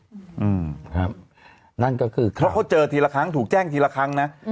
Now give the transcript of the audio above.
อืมครับนั่นก็คือเพราะเขาเจอทีละครั้งถูกแจ้งทีละครั้งนะ